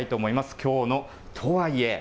きょうのとはいえ。